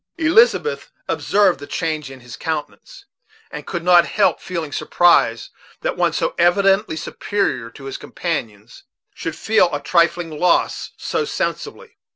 Elizabeth observed the change in his countenance, and could not help feeling surprise that one so evidently superior to his companions should feel a trifling loss so sensibly.